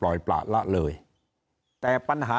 สวัสดีครับท่านผู้ชมครับสวัสดีครับท่านผู้ชมครับ